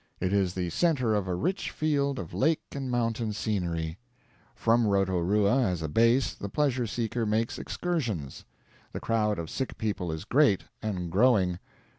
It is the center of a rich field of lake and mountain scenery; from Rotorua as a base the pleasure seeker makes excursions. The crowd of sick people is great, and growing.